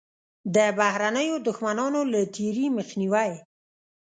د بهرنیو دښمنانو له تېري مخنیوی.